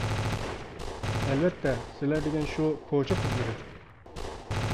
ئەلۋەتتە سىلەر دېگەن شۇ «كوچا قىزلىرى» .